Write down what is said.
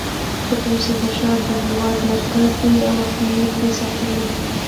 تر اوسه دا ښار د هېواد مرکز دی او اهمیت یې ساتلی.